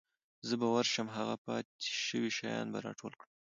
زه به ورشم هغه پاتې شوي شیان به راټول کړم.